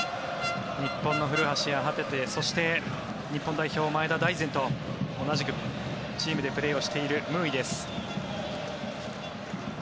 日本の古橋やそして日本代表前田大然と同じチームでプレーしているムーイです。